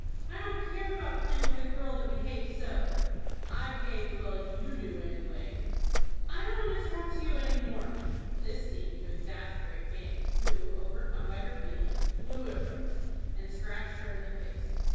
I don't care about playing with a girl that behaves so." "I behave as well as you do, anyway." "I don't want to talk to you any more." This seemed to exasperate Fanny, who, overcome by her feelings, flew at Rose, and scratched her in the face.